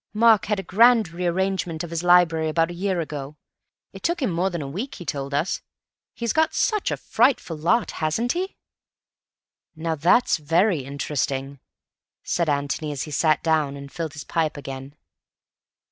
Mark had a grand re arrangement of his library about a year ago. It took him more than a week, he told us. He's got such a frightful lot, hasn't he?" "Now that's very interesting," said Antony, and he sat down and filled his pipe again.